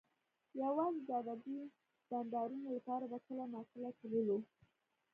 یوازې د ادبي بنډارونو لپاره به کله ناکله تللو